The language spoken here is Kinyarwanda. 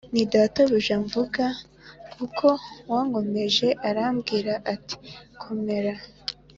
nti databuja vuga b kuko wankomeje Arambwira ati komera